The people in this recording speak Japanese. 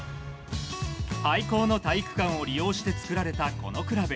廃坑の体育館を利用して作られたこのクラブ。